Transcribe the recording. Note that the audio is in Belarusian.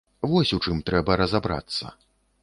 Вось у чым трэба разабрацца.